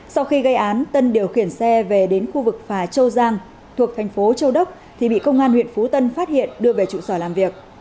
sau khi gây án tân điều khiển xe về đến khu vực phà châu giang thuộc thành phố châu đốc thì bị công an huyện phú tân phát hiện đưa về trụ sở làm việc